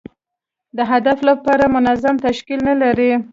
د هدف لپاره منظم تشکیل نه لري.